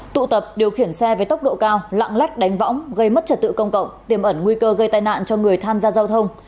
tụ tập điều khiển xe với tốc độ cao lạng lách đánh võng gây mất trật tự công cộng tiềm ẩn nguy cơ gây tai nạn cho người tham gia giao thông